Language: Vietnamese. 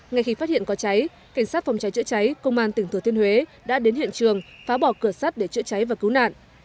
ngay khi phát hiện có cháy cảnh sát phòng cháy chữa cháy công an tỉnh thừa thiên huế đã đến hiện trường phá bỏ cửa sắt để chữa cháy và cứu nạn